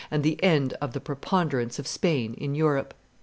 and the end of the preponderance of Spain in Europe.